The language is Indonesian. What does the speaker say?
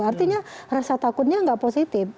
artinya rasa takutnya nggak positif